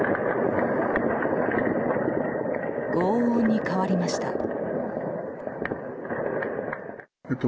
轟音に変わりました。